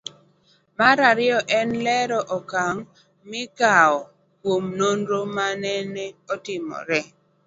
Mar ariyo en lero okang' mikawo kuom nonro manene otimore